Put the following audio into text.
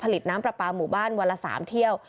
น้ำปลาปลาหมู่บ้านวันละ๓เที่ยว